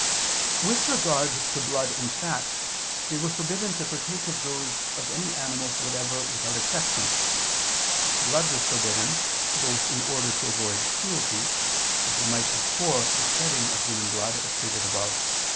With regard to blood and fat, they were forbidden to partake of those of any animals whatever without exception. Blood was forbidden, both in order to avoid cruelty, that they might abhor the shedding of human blood, as stated above (A.